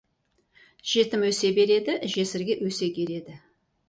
Жетім өсе береді, жесірге өсек ереді.